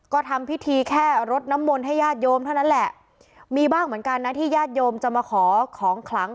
ก็ทำพิธีแค่รดน้ำมนต์ให้ญาติโยมเท่านั้นแหละมีบ้างเหมือนกันนะที่ญาติโยมจะมาขอของขลัง